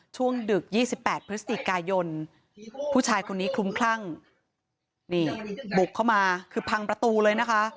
ดึก๒๘พฤศจิกายนผู้ชายคนนี้คลุมคลั่งนี่บุกเข้ามาคือพังประตูเลยนะคะ